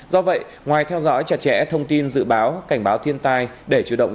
do vậy ngoài theo dõi chặt chẽ thông tin dự báo cảnh báo thiên tai để chủ động